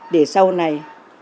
để sau này